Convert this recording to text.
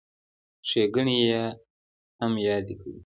ښېګڼې یې هم یادې کړو.